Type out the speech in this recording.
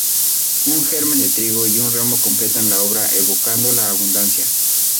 Un germen de trigo y un ramo completan la obra evocando la abundancia.